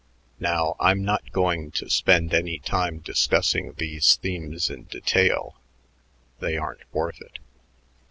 Now, I'm not going to spend anytime discussing these themes in detail; they aren't worth it."